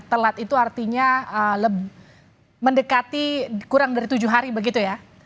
telat itu artinya mendekati kurang dari tujuh hari begitu ya